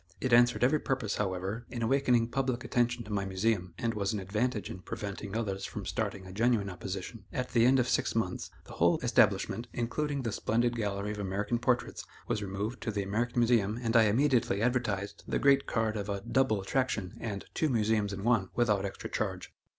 It answered every purpose, however, in awakening public attention to my Museum, and was an advantage in preventing others from starting a genuine opposition. At the end of six months, the whole establishment, including the splendid gallery of American portraits, was removed to the American Museum and I immediately advertised the great card of a "Double attraction" and "Two Museums in One," without extra charge.